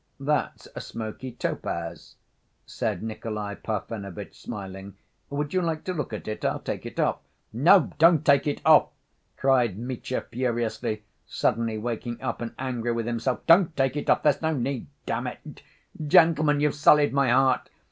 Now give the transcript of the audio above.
"That's a smoky topaz," said Nikolay Parfenovitch, smiling. "Would you like to look at it? I'll take it off ..." "No, don't take it off," cried Mitya furiously, suddenly waking up, and angry with himself. "Don't take it off ... there's no need.... Damn it!... Gentlemen, you've sullied my heart!